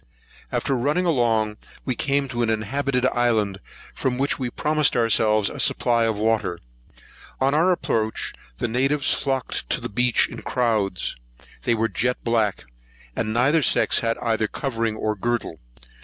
After running along, we came to an inhabited island, from which we promised ourselves a supply of water. On our approach, the natives flocked down to the beach in crowds. They were jet black, and neither sex had either covering or girdle.